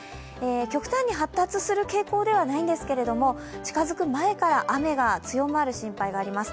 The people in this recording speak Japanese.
極端に発達する傾向ではないんですけれども、近づく前から雨が強まる心配があります。